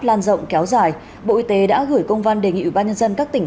lan rộng kéo dài bộ y tế đã gửi công văn đề nghị ba nhân dân các tỉnh